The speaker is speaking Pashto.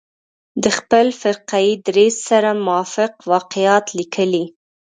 د خپل فرقه يي دریځ سره موافق واقعات لیکلي.